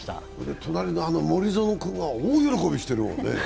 隣の森薗君が大喜びしてるもんね。